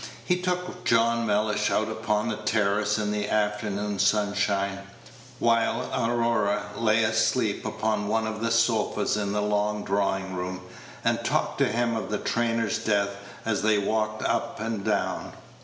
He took John Mellish out upon the terrace in the afternoon sunshine, while Aurora lay asleep upon one of the sofas in the long drawing room, and talked to him of the trainer's death as they walked up and down.